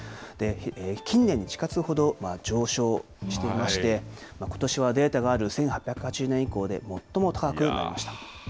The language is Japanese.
近年に近づくほど上昇していまして、ことしはデータがある１８８０年以降で最も高くなりました。